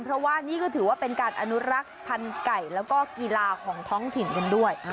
เพราะว่านี่ก็ถือว่าเป็นการอนุรักษ์พันธุ์ไก่แล้วก็กีฬาของท้องถิ่นกันด้วย